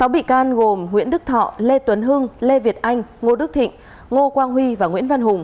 sáu bị can gồm nguyễn đức thọ lê tuấn hưng lê việt anh ngô đức thịnh ngô quang huy và nguyễn văn hùng